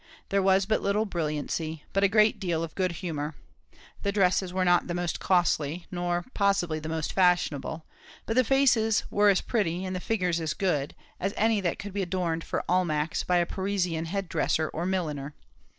There was but little brilliancy, but a great deal of good humour. The dresses were not the most costly, nor possibly the most fashionable, but the faces were as pretty, and the figures as good, as any that could be adorned for Almack's by a Parisian head dresser or milliner.